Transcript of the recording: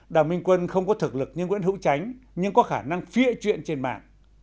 đào minh quân không có thực lực như nguyễn hữu tránh nhưng có khả năng phia chuyện trên mạng